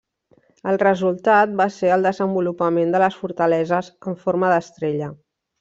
El resultat va ser el desenvolupament de les fortaleses en forma d'estrella.